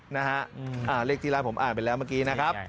นะฮะเลขที่ร้านผมอ่านไปแล้วเมื่อกี้นะครับ